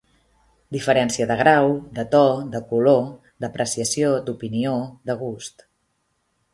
Diferència de grau, de to, de color, d'apreciació, d'opinió, de gust.